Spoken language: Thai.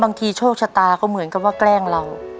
โชคชะตาก็เหมือนกับว่าแกล้งเรา